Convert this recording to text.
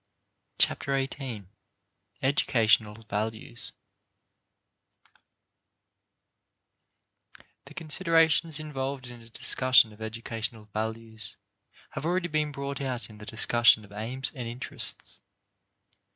Chapter Eighteen: Educational Values The considerations involved in a discussion of educational values have already been brought out in the discussion of aims and interests.